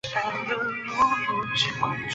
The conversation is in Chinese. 现关押男性年青还押犯人和定罪犯人。